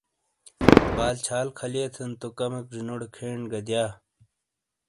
بال چھال خالیتھن تو کمیک زینوٹے کھین گہ دیا۔